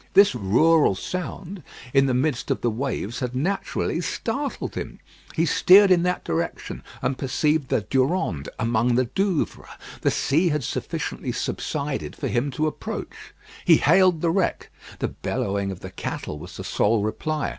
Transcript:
This rural sound in the midst of the waves had naturally startled him. He steered in that direction, and perceived the Durande among the Douvres. The sea had sufficiently subsided for him to approach. He hailed the wreck; the bellowing of the cattle was the sole reply.